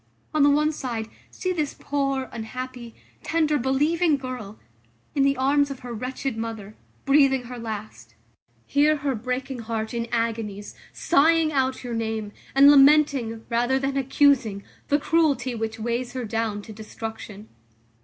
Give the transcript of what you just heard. On the one side, see this poor, unhappy, tender, believing girl, in the arms of her wretched mother, breathing her last. Hear her breaking heart in agonies, sighing out your name; and lamenting, rather than accusing, the cruelty which weighs her down to destruction.